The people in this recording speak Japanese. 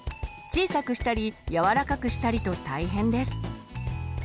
小さくしたり柔らかくしたりと大変です。